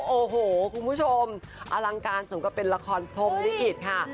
โอ้โหคุณผู้ชมอลังการสมกับเป็นละครพรมลิขิตค่ะ